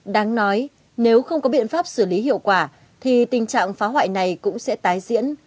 đáng nói nếu không có biện pháp xử lý hiệu quả thì tình trạng phá hoại này cũng sẽ tái diễn